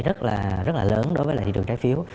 rất là lớn đối với thị trường trái phiếu